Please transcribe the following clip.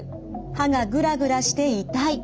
歯がグラグラして痛い。